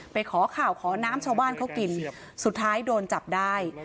ขอข่าวขอน้ำชาวบ้านเขากินสุดท้ายโดนจับได้